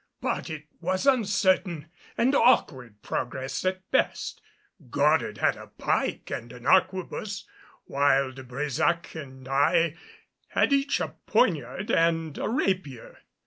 But it was uncertain and awkward progress at best. Goddard had a pike and an arquebus, while De Brésac and I had each a poniard and a rapier.